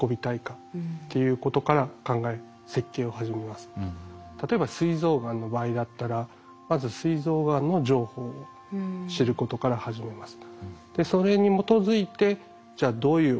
まず我々は例えばすい臓がんの場合だったらまずすい臓がんの情報を知ることから始めます。